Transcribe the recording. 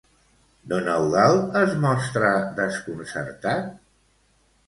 Don Eudald es mostra desconcertat?